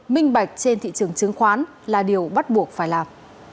minh bạch trên thị trường chứng khoán là điều bắt buộc phải làm